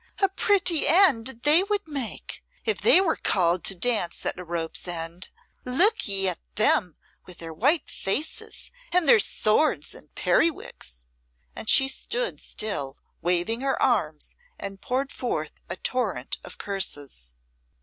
A pretty end they would make if they were called to dance at a rope's end. Look ye at them, with their white faces and their swords and periwigs!" And she stood still, waving her arms, and poured forth a torrent of curses.